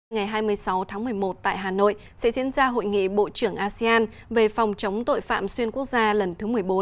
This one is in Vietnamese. ngày hai mươi sáu tháng một mươi một tại hà nội sẽ diễn ra hội nghị bộ trưởng asean về phòng chống tội phạm xuyên quốc gia lần thứ một mươi bốn